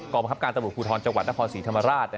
ประคับการตำรวจภูทรจังหวัดนครศรีธรรมราช